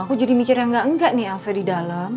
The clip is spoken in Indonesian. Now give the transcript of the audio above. aku jadi mikir yang enggak enggak nih aksa di dalam